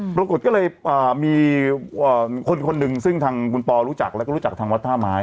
ปรากฏก็เลยมีคนคนหนึ่งซึ่งทางคุณปอรู้จักแล้วก็รู้จักทางวัดท่าไม้